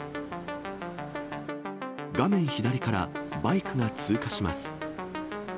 画面左からバイクが通過します。